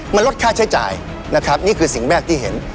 มันลดค่าใช้จ่ายนะครับนี่คือสิ่งแรกที่เห็น